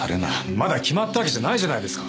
まだ決まったわけじゃないじゃないですか。